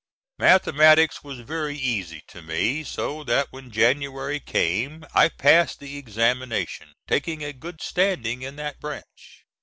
Mathematics was very easy to me, so that when January came, I passed the examination, taking a good standing in that branch.